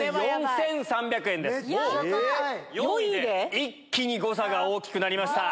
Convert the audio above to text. ４位で⁉一気に誤差が大きくなりました。